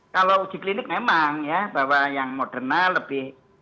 kalau uji klinik memang ya bahwa yang moderna lebih